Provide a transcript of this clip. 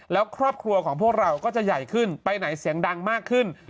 แล้วครอบครัวของพวกเราก็จะใหญ่ขึ้นไปไหนเสียงดังมากขึ้น